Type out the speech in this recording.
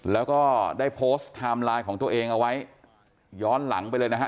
แล้วก็ได้โพสต์ไทม์ไลน์ของตัวเองเอาไว้ย้อนหลังไปเลยนะฮะ